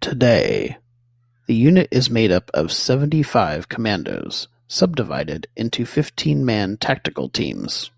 Today, the unit is made up of seventy-five commandos, subdivided into fifteen-man tactical teams.